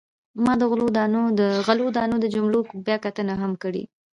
ما د غلو دانو د جملو بیاکتنه هم کړې.